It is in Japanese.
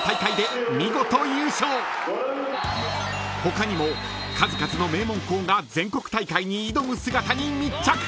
［他にも数々の名門校が全国大会に挑む姿に密着！］